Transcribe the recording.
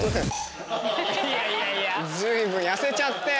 随分痩せちゃって。